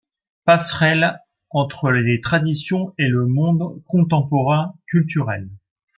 Passerelle entre les traditions et le monde contemporain culturel.